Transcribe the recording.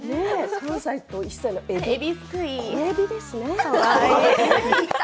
３歳と１歳、小えびですね。